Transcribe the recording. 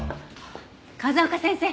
風丘先生。